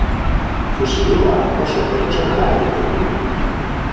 Fusioa oso pertsonala egiten du.